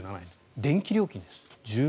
電気料金です。